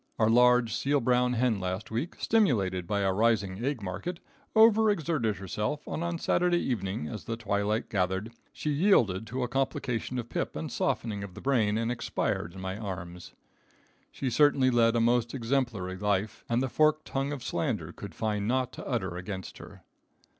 Our large seal brown hen last week, stimulated by a rising egg market, over exerted herself, and on Saturday evening, as the twilight gathered, she yielded to a complication of pip and softening of the brain and expired in my arms. She certainly led a most exemplary life and the forked tongue of slander could find naught to utter against her.